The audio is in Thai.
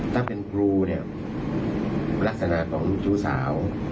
ถ้าเป็นครูลักษณะของจู๋สาว